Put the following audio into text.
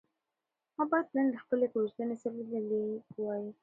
ما باید نن د خپلې کوژدنې سره لیدلي وای.